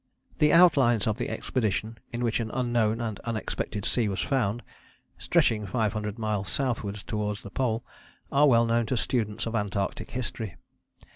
" The outlines of the expedition in which an unknown and unexpected sea was found, stretching 500 miles southwards towards the Pole, are well known to students of Antarctic history.